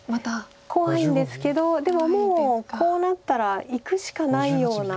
怖いんですけどでももうこうなったらいくしかないような。